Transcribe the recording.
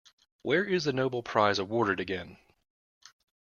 Where is the Nobel Prize awarded again?